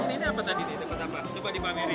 ini apa tadi nih dapet apa coba dipamerin